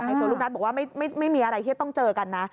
โซลูกนัทบอกว่าไม่มีอะไรที่จะต้องเจอกันนะ